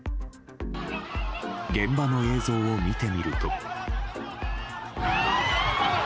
現場の映像を見てみると。